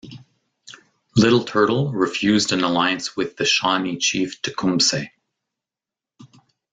Little Turtle refused an alliance with the Shawnee chief Tecumseh.